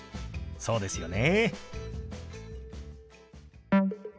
そうですよね。